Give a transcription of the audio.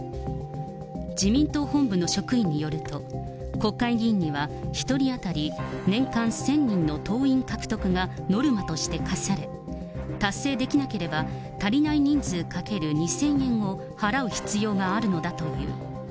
自民党本部の職員によると、国会議員には、１人当たり年間１０００人の党員獲得がノルマとして課され、達成できなければ足りない人数×２０００円を払う必要があるのだという。